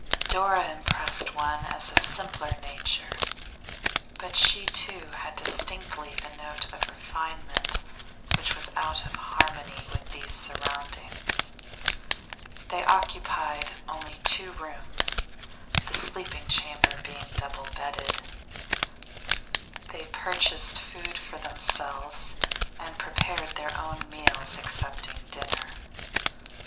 Dora impressed one as a simpler nature, but she too had distinctly the note of refinement which was out of harmony with these surroundings. They occupied only two rooms, the sleeping chamber being double bedded; they purchased food for themselves and prepared their own meals, excepting dinner.